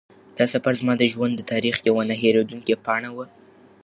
دا سفر زما د ژوند د تاریخ یوه نه هېرېدونکې پاڼه وه.